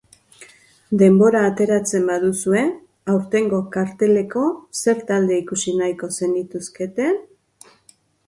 Denbora ateratzen baduzue, aurtengo karteleko zer talde ikusi nahiko zenituzkete?